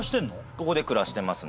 ここで暮らしてますね。